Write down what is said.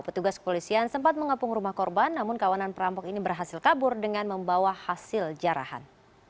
petugas kepolisian sempat mengepung rumah korban namun kawanan perampok ini berhasil kabur dengan membawa hasil jarahan